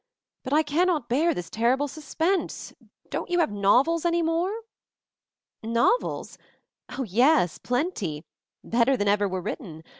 But I cannot bear this terrible suspense 1 Don't you have novels any more?" "Novels? Oh, yes, plenty; better than 38 MOVING THE MOUNTAIN ever were written.